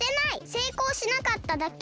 せいこうしなかっただけ！